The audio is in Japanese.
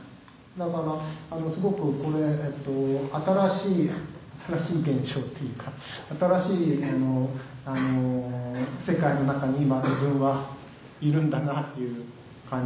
だからすごく新しい現象っていうか新しい世界の中に今自分はいるんだなっていう感じで。